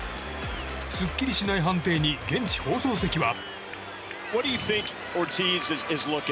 すっきりしない判定に現地放送席は。